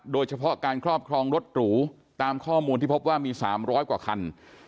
โดยเฉพาะการครอบครองรถหรูตามข้อมูลที่พบว่ามี๓๐๐กว่าคัน